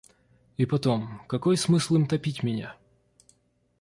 И потом, какой смысл им топить меня?